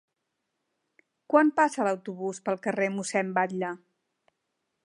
Quan passa l'autobús pel carrer Mossèn Batlle?